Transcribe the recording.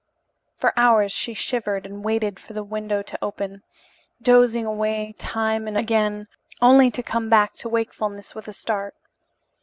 For hours she shivered and waited for the window to open, dozing away time and again only to come back to wakefulness with a start.